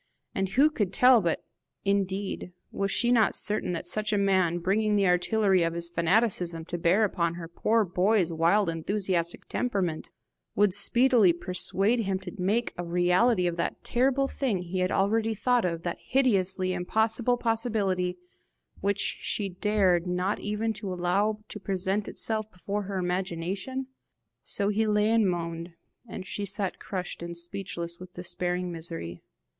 And who could tell but indeed was she not certain that such a man, bringing the artillery of his fanaticism to bear upon her poor boy's wild enthusiastic temperament, would speedily persuade him to make a reality of that terrible thing he had already thought of, that hideously impossible possibility which she dared not even allow to present itself before her imagination? So he lay and moaned, and she sat crushed and speechless with despairing misery.